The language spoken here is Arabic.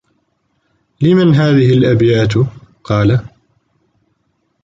لِمَنْ هَذِهِ الْأَبْيَاتُ ؟ قَالَ